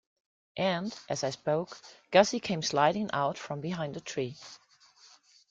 And, as I spoke, Gussie came sidling out from behind a tree.